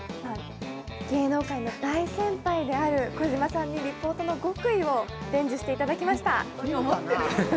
芸能界の大先輩である児嶋さんにリポートの極意を伝授していただきました。